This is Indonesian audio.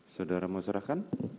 saudara mau serahkan